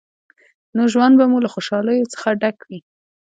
نو ژوند به مو له خوشحالیو څخه ډک وي.